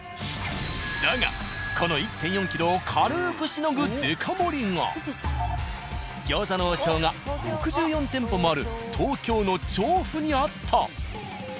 だがこの１．４ｋｇを軽くしのぐデカ盛りが「餃子の王将」が６４店舗もある東京の調布にあった。